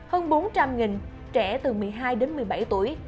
hơn bốn trăm linh trẻ từ một mươi hai đến một mươi bảy tuổi